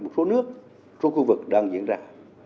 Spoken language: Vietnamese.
một số nước trong khu vực đang diễn ra